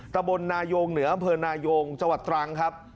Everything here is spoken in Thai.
ตะบนนายงเหนือบนายงจตรังครับ